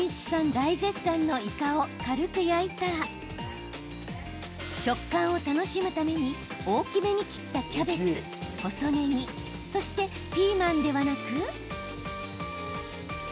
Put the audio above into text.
大絶賛のいかを軽く焼いたら食感を楽しむために大きめに切ったキャベツ、細ねぎそしてピーマンではなく。